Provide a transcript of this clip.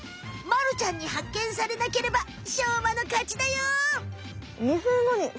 まるちゃんにはっけんされなければしょうまのかちだよ。